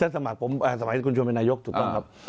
สมัยคุณชวนเป็นนายกถูกต้องครับ